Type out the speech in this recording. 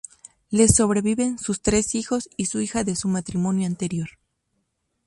Le sobreviven sus tres hijos y su hija de su matrimonio anterior.